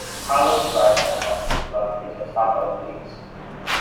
Carlos drives her home, but they get stopped by the police.